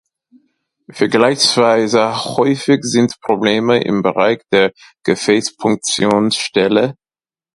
Vergleichsweise häufig sind Probleme im Bereich der Gefäß-Punktions-Stelle.